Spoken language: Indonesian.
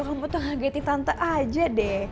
kamu tuh ngagetin tante aja deh